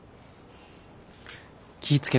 気ぃ付けて。